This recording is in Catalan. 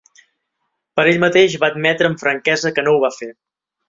Per ell mateix, va admetre amb franquesa que no ho va fer.